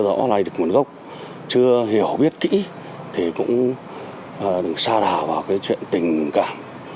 và giới thiệu mà chưa rõ lây được nguồn gốc chưa hiểu biết kỹ thì cũng đừng xa đảo vào cái chuyện tình cảm